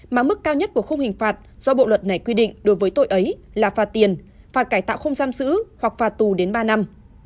mà mức cao nhất của không hình phạt do bộ luật này quy định đối với tội ấy là phà tiền phà cải tạo không giam sữ hoặc phà tù đến ba năm